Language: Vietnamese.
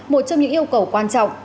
một trong những yêu cầu quan trọng